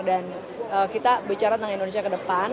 dan kita bicara tentang indonesia ke depan